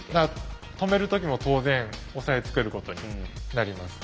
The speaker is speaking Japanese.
止める時も当然押さえつけることになります。